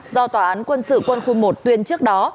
do tòa án quân sự quân khu một tuyên trước đó